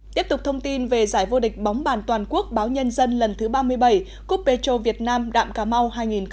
tiếp tục thông tin về giải vô địch bóng bàn toàn quốc báo nhân dân lần thứ ba mươi bảy cúp petro việt nam đạm cà mau hai nghìn một mươi chín